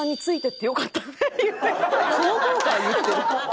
「この頃から言ってる」